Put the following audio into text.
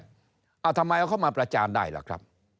อ่ะทำไมเขามาประจานได้ล่ะครับ